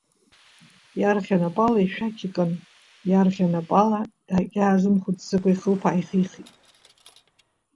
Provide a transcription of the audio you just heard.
Иарӷьа напала ишәақь икын, иарӷьа напала, дагьаазымхәыцӡакәа, ихылԥа ааихихит.